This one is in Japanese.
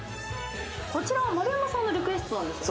こちらは丸山さんのリクエストなんですね？